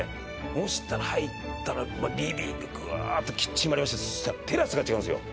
そしたら入ったらリビンググワーっとキッチンもありましてそしたらテラスが違うんですよ